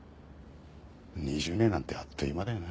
２０年なんてあっという間だよな。